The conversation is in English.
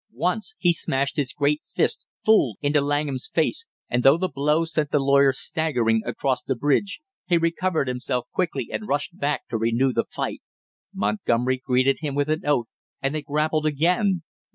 Once he smashed his great fist full into Langham's face, and though the blow sent the lawyer staggering across the bridge, he recovered himself quickly and rushed back to renew the fight. Montgomery greeted him with an oath, and they grappled again.